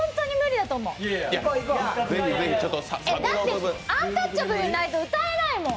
だって、アンタッチャブルいないと歌えないもん。